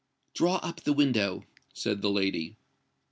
"Draw up the window," said the lady.